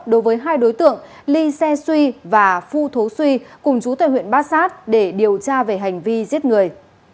đối với hai đối tượng ly xe xuy và phu thố xuy cùng chú tài huyện bát sát để điều tra về hành vi giết người